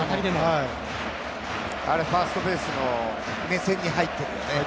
ファーストベースの目線に入ってるよね。